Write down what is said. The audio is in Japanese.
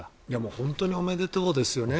本当におめでとうですよね。